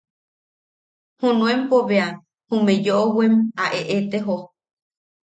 Junuempo bea jume yoʼowem a eʼetejo.